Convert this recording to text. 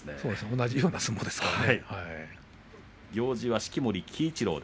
同じような相撲ですからね。